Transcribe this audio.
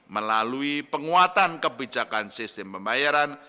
melalui penguatan kebijakan sistem pembayaran